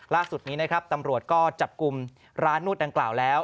ล่าสุดนี้นะครับตำรวจก็จับกลุ่มร้านนวดดังกล่าวแล้ว